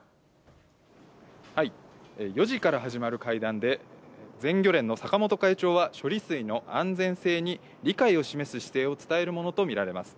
４時から始まる会談で、全漁連の坂本会長は、処理水の安全性に理解を示す姿勢を伝えるものと見られます。